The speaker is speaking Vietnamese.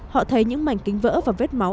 họ thấy những mảnh kính vỡ và vết máu